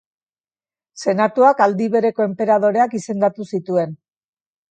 Senatuak aldi bereko enperadoreak izendatu zituen.